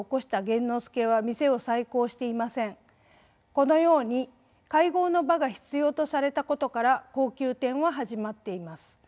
このように会合の場が必要とされたことから高級店は始まっています。